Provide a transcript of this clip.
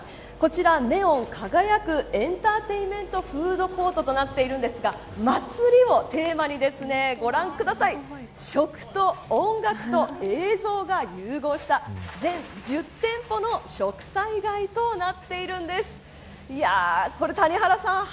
ネオン輝くエンターテインメントフードコートとなっているんですが祭りをテーマに食と音楽と映像が融合した全１０店舗の食祭街となっています。